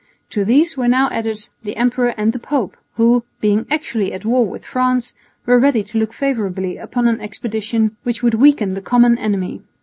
To these were now added the Emperor and the Pope, who, being actually at war with France, were ready to look favourably upon an expedition which would weaken the common enemy.